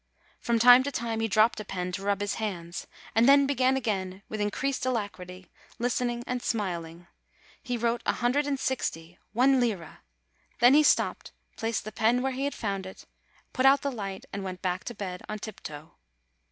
From time to time he dropped the pen to rub his hands, and then began again with in creased alacrity, listening and smiling. He wrote a THE LITTLE FLORENTINE SCRIBE 73 hundred and sixty one lira! Then he stopped, placed the pen where he had found it, put out the light, and went back to bed on tiptoe.